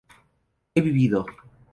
he vivido